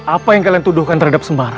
apa yang kalian tuduhkan terhadap sembarang